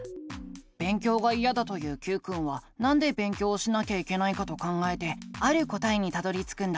勉強がいやだと言うＱくんはなんで勉強をしなきゃいけないかと考えてある答えにたどりつくんだ。